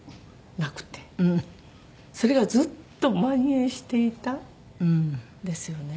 それがずっと蔓延していたんですよね。